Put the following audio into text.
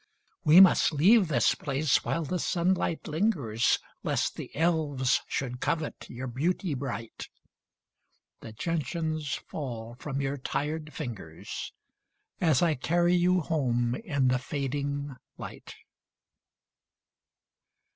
We must leave this place while the sunlight lingers Lest the elves should covet your beauty bright. The gentians fall from your tired fingers As I carry you home in the fading light.